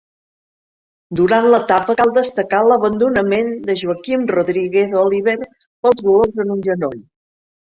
Durant l'etapa cal destacar l'abandonament de Joaquim Rodríguez Oliver pels dolors en un genoll.